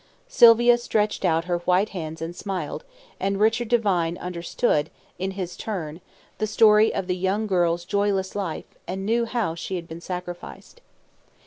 Sylvia stretched out her white hands and smiled, and Richard Devine understood in his turn the story of the young girl's joyless life, and knew how she had been sacrificed.